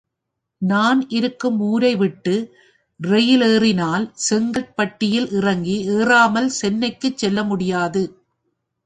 நான் இருக்கும் ஊரைவிட்டு ரெயிலேறினால் செங்கற்பட்டில் இறங்கி ஏறாமல் சென்னைக்குச் செல்ல முடியாது.